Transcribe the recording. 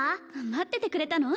待っててくれたの？